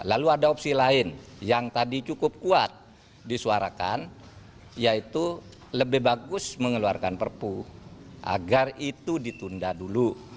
lalu ada opsi lain yang tadi cukup kuat disuarakan yaitu lebih bagus mengeluarkan perpu agar itu ditunda dulu